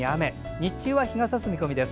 日中は日がさす見込みです。